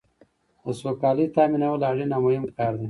د سوکالۍ تامینول اړین او مهم کار دی.